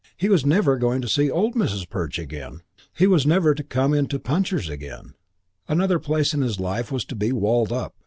He was never going to see old Mrs. Perch again. He was never to come into Puncher's again. Another place of his life was to be walled up.